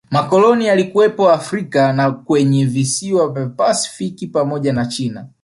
Makoloni yalikuwepo Afrika na kwenye visiwa vya pasifiki pamoja na China